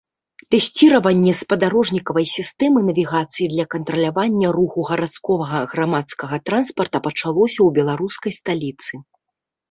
Тэсціраванне спадарожнікавай сістэмы навігацыі для кантралявання руху гарадскога грамадскага транспарта пачалося ў беларускай сталіцы.